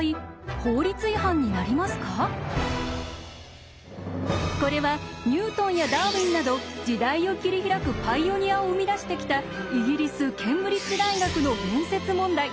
こちらはこれはニュートンやダーウィンなど時代を切り開くパイオニアを生み出してきたイギリス・ケンブリッジ大学の面接問題。